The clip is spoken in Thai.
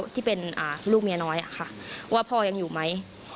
ที่เป็นลูกเมียน้อยค่ะว่าพ่อยังอยู่ไหม